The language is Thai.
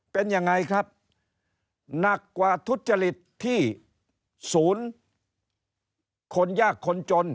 เป็นยังไงครับหนักกว่าทุจริตที่ศูนย์คนยากคนจน